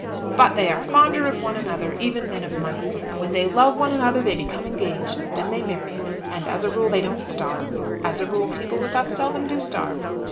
"But they are fonder of one another, even, than of money. When they love one another they become engaged. Then they marry. And as a rule they don't starve. As a rule people with us seldom do starve.